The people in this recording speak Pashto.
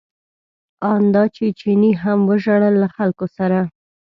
ان دا چې چیني هم وژړل له خلکو سره.